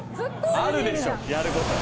あるでしょやる事。